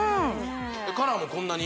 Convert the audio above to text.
カラーもこんなに？